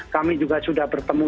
kami juga sudah bertemu